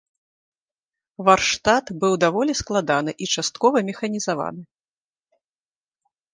Варштат быў даволі складаны і часткова механізаваны.